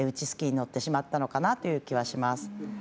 スキーに乗ってしまったかなという気はします。